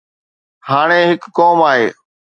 هاڻي هڪ قوم آهي.